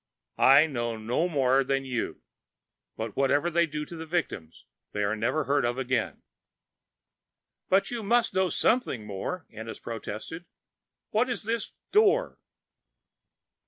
"I know no more than you. But whatever they do to the victims, they are never heard of again." "But you must know something more!" Ennis protested. "What is this Door?"